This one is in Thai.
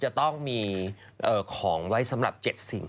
จะต้องมีของไว้สำหรับ๗สิ่ง